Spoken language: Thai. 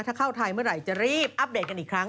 ถ้าเข้าไทยเมื่อไหร่จะรีบอัปเดตกันอีกครั้ง